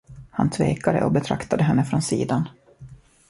Han tvekade och betraktade henne från sidan.